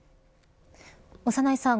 長内さん